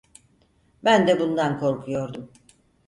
Ben de bundan korkuyordum.